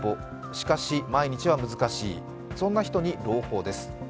しかし、毎日は難しい、そんな人に朗報です。